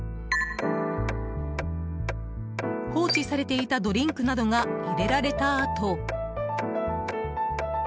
放置されていたドリンクなどが入れられたあと。